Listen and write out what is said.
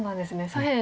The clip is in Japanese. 左辺